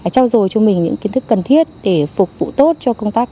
trao dồi cho mình những kiến thức cần thiết để phục vụ tốt cho công an tương lai